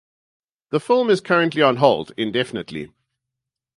This film is currently on hold indefinitely.